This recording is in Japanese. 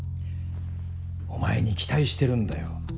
お前に期待してるんだよ。